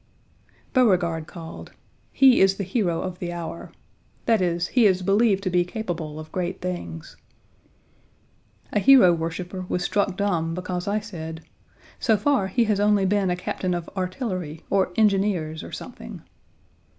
Beauregard 1 called. He is the hero of the hour. That is, he is believed to be capable of great things. A hero worshiper was struck dumb because I said: "So far, he has only been a captain of artillery, or engineers, or something."